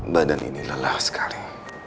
badan ini lelah sekali